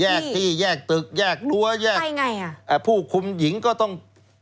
แยกที่แยกตึกแยกตัวผู้คุมหญิงก็ต้อง